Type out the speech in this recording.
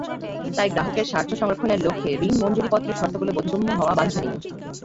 তাই গ্রাহকের স্বার্থ সংরক্ষণের লক্ষ্যে ঋণ মঞ্জুরিপত্রের শর্তগুলো বোধগম্য হওয়া বাঞ্ছনীয়।